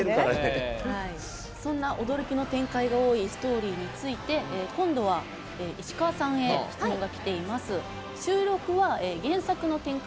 そんな驚きの展開が多いストーリーについて今度は、石川さんへ質問がきています。